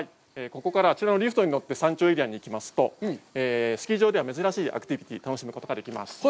ここからあちらのリフトに乗って山頂エリアに行きますと、スキー場では珍しいアクティビティを楽しむことができます。